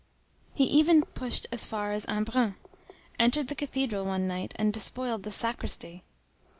He even pushed as far as Embrun, entered the cathedral one night, and despoiled the sacristy.